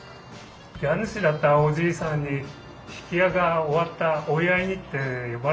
家主だったおじいさんに曳家が終わったお祝いにって呼ばれたんですよ。